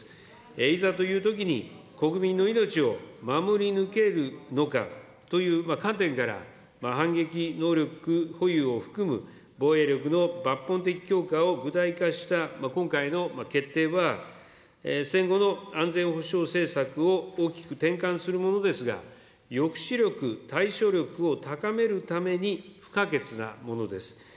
いざというときに国民の命を守り抜けるのかという観点から反撃能力保有を含む防衛力の抜本的強化を具体化した今回の決定は、戦後の安全保障政策を大きく転換するものですが、抑止力、対処力を高めるために不可欠なものです。